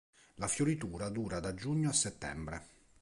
La fioritura dura da giugno a settembre.